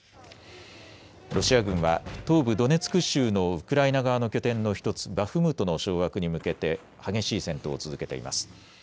ロシア軍は東部ドネツク州のウクライナ側の拠点の１つ、バフムトの掌握に向けて激しい戦闘を続けています。